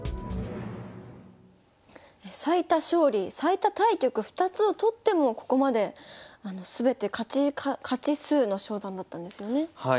最多勝利最多対局２つを取ってもここまで全て勝ち数の昇段だったんですよねはい。